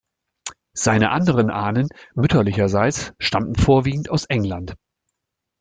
Seine anderen Ahnen mütterlicherseits stammten vorwiegend aus England.